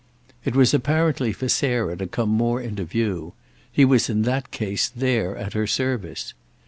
It was apparently for Sarah to come more into view; he was in that case there at her service.